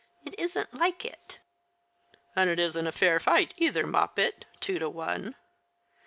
It isn't like it." '• And it isn't a fair fight either. 3Ioppet.. two to one."